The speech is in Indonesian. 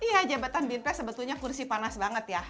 iya jabatan bimpes sebetulnya kursi panas banget ya